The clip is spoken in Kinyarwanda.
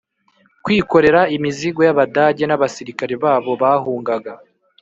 kwikorera imizigo y'Abadage N’Abasirikare babo bahungaga